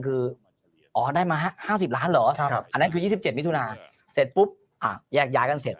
คือออกได้มา๕๐ล้านหรออันนั้นคือ๒๗วิทยุนาตัวการยากยากัน